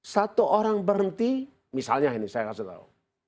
satu orang berhenti misalnya ini saya kasih tahu